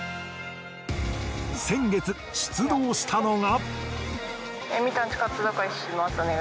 先月出動したのが。